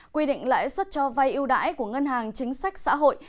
quy định lãi suất cho vay yêu đãi của ngân hàng chính sách xã hội